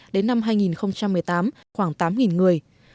đến năm hai nghìn một mươi tám khoảng tám người